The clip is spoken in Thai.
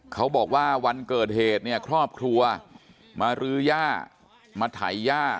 เขาบอกว่าวันเกิดเหตุเนี่ยครอบครัวมารื้อย่ามาไถย่า